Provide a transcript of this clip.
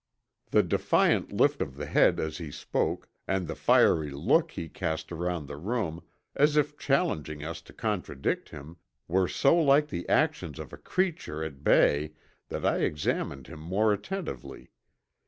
The defiant lift of the head as he spoke, and the fiery look he cast around the room as if challenging us to contradict him, were so like the actions of a creature at bay that I examined him more attentively.